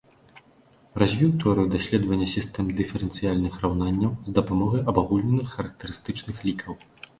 Развіў тэорыю даследавання сістэм дыферэнцыяльных раўнанняў з дапамогай абагульненых характарыстычных лікаў.